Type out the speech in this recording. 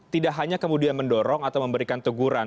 tidak hanya kemudian mendorong atau memberikan teguran